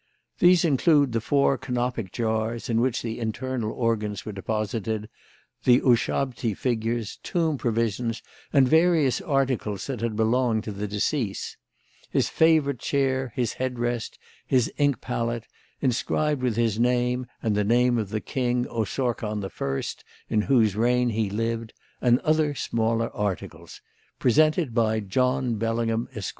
These include the four Canopic jars, in which the internal organs were deposited, the Ushabti figures, tomb provisions and various articles that had belonged to the deceased; his favourite chair, his head rest, his ink palette, inscribed with his name and the name of the king, Osorkon I, in whose reign he lived, and other smaller articles. Presented by John Bellingham, Esq."